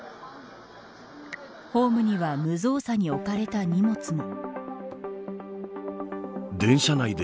ホームには無造作に置かれた荷物も。